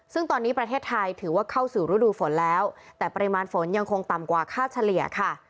ซึ่งตอนนี้ประเทศไทยถือว่าเข้าสู่ฤดูฝนแล้วแต่ปริมาณฝนยังคงต่ำกว่าค่าเฉลี่ยค่ะ